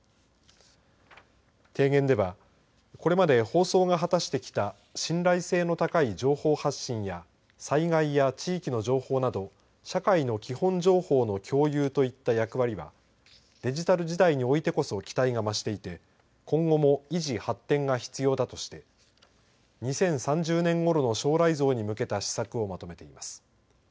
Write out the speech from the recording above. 提言ではこれまで放送が果たしてきた信頼性の高い情報発信や災害や地域の情報など社会の基本情報の共有といった役割はデジタル時代においてこそ期待が増していて今後も維持・発展が必要だとして２０３０年ごろの将来像に向けた施策をまとめています。